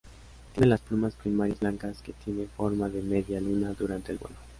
Tiene las plumas primarias blancas, que tienen forma de media luna durante el vuelo.